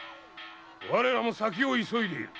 我らも先を急いでいる。